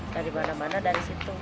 dari mana mana dari situ